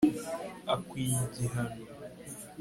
akwiye igihano